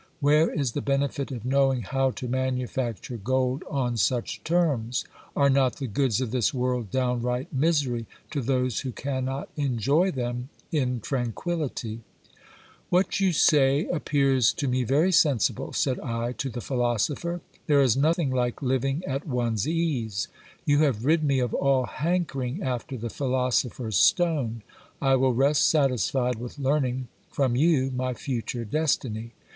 Where is the benefit of knowing how to manufacture gold on such terms ? Are not the goods of this world downright misery to those who cannot enjoy them in tranquillity ? What you say appears to me very sensible, said I to the philosopher. There is nothing like living at one's ease. You have rid me of all hankering after the philosopher's stone. I will rest satisfied with learning from you my future destiny.